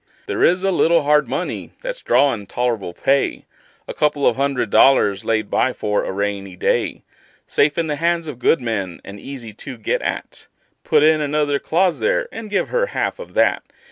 There is a little hard money that's drawin' tol'rable pay: A couple of hundred dollars laid by for a rainy day; Safe in the hands of good men, and easy to get at; Put in another clause there, and give her half of that.